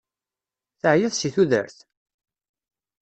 Teεyiḍ si tudert?